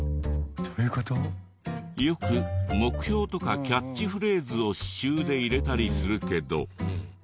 よく目標とかキャッチフレーズを刺繍で入れたりするけど。